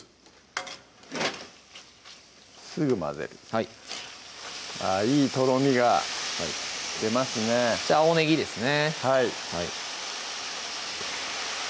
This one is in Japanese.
はいあいいとろみが出ますね青ねぎですね